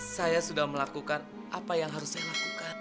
saya sudah melakukan apa yang harus saya lakukan